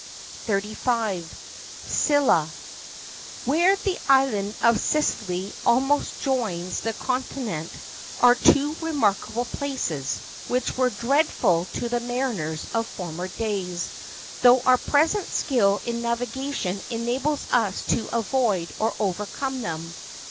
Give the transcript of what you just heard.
35 . Scylla. Where the Island of Sicily almost joins the continent are two remarkable places, which were dreadful to the mariners of former days, though our present skill in navigation enables us to avoid ITALY. 47 or overcome them.